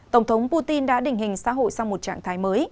tổng thống putin đã định hình xã hội sang một trạng thái mới